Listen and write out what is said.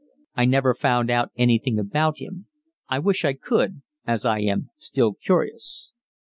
I never found out anything about him; I wish I could, as I am still curious.